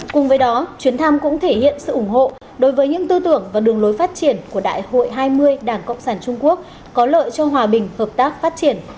cùng với đó chuyến thăm cũng thể hiện sự ủng hộ đối với những tư tưởng và đường lối phát triển của đại hội hai mươi đảng cộng sản trung quốc có lợi cho hòa bình hợp tác phát triển